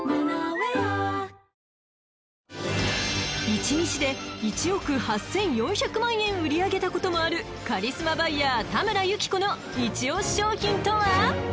［一日で１億８，４００万円売り上げたこともあるカリスマバイヤー田村ゆきこの一押し商品とは？］